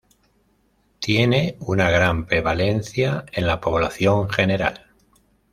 Tiene una gran prevalencia en la población general.